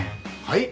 はい？